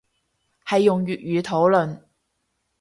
係用粵語討論